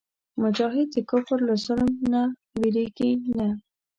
مجاهد د کفر له ظلم نه وېرېږي نه.